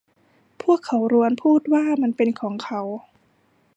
พวกเขาล้วนพูดว่ามันเป็นของเขา